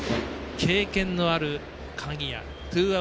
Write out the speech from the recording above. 経験のある鍵谷。